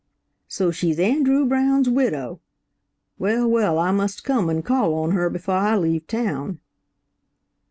"So she's Andrew Brown's widow? Well, well, I must come up and call on her before I leave town."